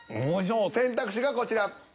選択肢がこちら。